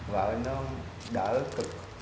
vợ nó đỡ cực